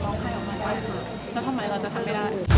โปรดติดตามตอนต่อไป